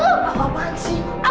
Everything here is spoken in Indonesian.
apaan sih kak